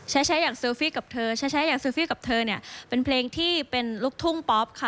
แช๊แชอยากเซลฟิกับเธอแช๊แชอยากเซลฟิกับเธอเนี่ยเป็นเพลงที่เป็นลูกทุ่งป๊อปค่ะ